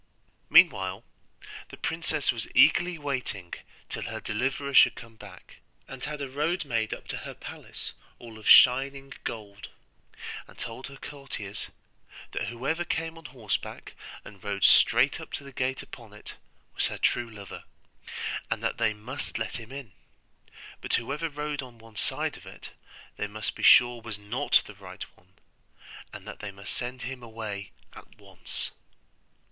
Meanwhile the princess was eagerly waiting till her deliverer should come back; and had a road made leading up to her palace all of shining gold; and told her courtiers that whoever came on horseback, and rode straight up to the gate upon it, was her true lover; and that they must let him in: but whoever rode on one side of it, they must be sure was not the right one; and that they must send him away at once.